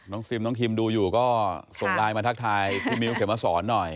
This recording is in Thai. ซิมน้องคิมดูอยู่ก็ส่งไลน์มาทักทายพี่มิวเข็มมาสอนหน่อย